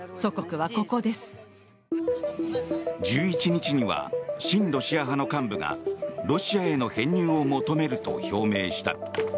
１１日には親ロシア派の幹部がロシアへの編入を求めると表明した。